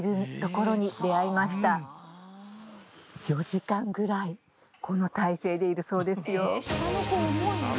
４時間ぐらいこの体勢でいるそうですよ